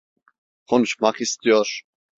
Konuşmak istiyor.